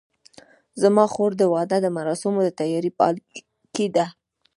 زما خور د واده د مراسمو د تیارۍ په حال کې ده